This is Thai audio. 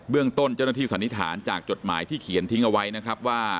เรื่องต้นเจ้าหน้าที่สันนิษฐานจากจดหมายที่เขียนทิ้งเอาไว้นะครับว่า